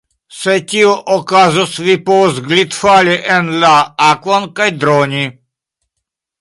Se tio okazus, vi povus glitfali en la akvon kaj droni.